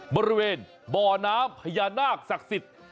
บริเวณบ่อน้ำพญานาคศักดิ์สิทธิ์